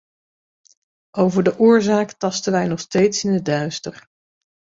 Over de oorzaak tasten wij nog steeds in het duister.